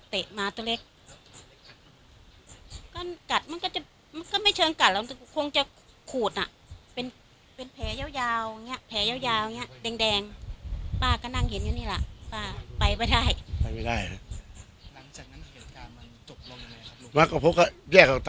เตะหมาตัวเล็กกัดมันก็จะมันก็ไม่เชิงกัดแล้วมันคงจะขูดอ่ะ